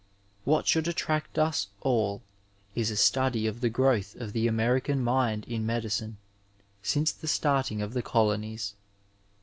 What should attract us all is a study of the growth of the American mind in medicine since the starting of the colonies.